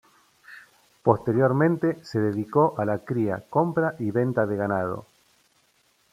Posteriormente se dedicó a la cría, compra y venta de ganado.